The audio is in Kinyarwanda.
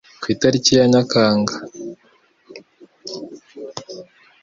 Ku itariki ya Nyakanga